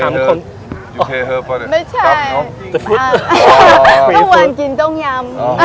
เมื่อวานกินต้นยำ